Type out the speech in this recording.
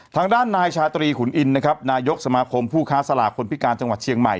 ทางด้านนายชาตรีขุนอินนะครับนายกสมาคมผู้ค้าสลากคนพิการจังหวัดเชียงใหม่